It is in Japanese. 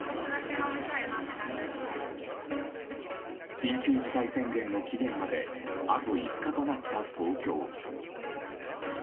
緊急事態宣言の期限まであと５日となった東京。